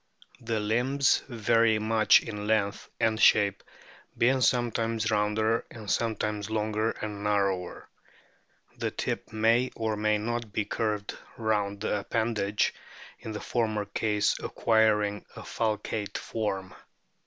The limbs vary much in length and shape, being sometimes rounder and sometimes longer and narrower. The tip may or may not be curved round the appendage, in the former case acquiring a falcate form.